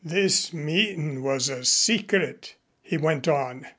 "This meetin' was a secret," he went on.